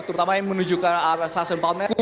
terutama yang menuju ke stasiun palme